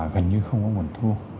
gần như không có nguồn thu